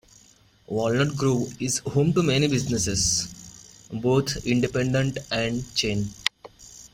Walnut Grove is home to many businesses, both independent and chain.